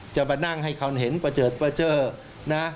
จะมานั่งให้เขาเห็นประเจิดนะ